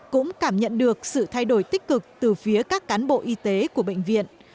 cũng cảm nhận được sự thay đổi tích cực từ phía các cán bộ y tế của bệnh viện